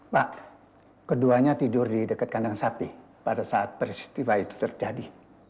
pak keduanya tidur di dekat kandang sapi pada saat peristiwa itu terjadi